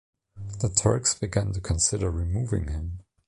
The Turks began to consider removing him.